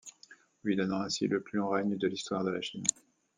Lui donnant ainsi le plus long règne de l'histoire de la Chine.